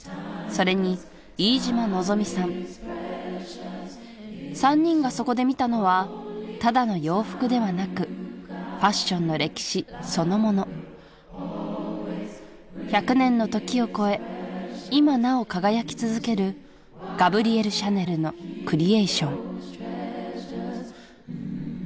それに飯島望未さん３人がそこで見たのはただの洋服ではなくファッションの歴史そのもの１００年の時を超え今なお輝き続けるガブリエル・シャネルのクリエーション